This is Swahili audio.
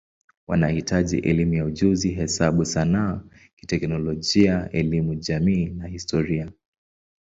Wanahitaji elimu ya ujenzi, hesabu, sanaa, teknolojia, elimu jamii na historia.